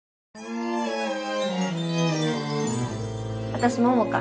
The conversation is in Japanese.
私桃香。